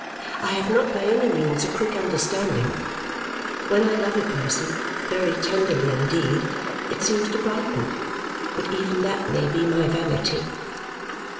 I have not by any means a quick understanding. When I love a person very tenderly indeed, it seems to brighten. But even that may be my vanity.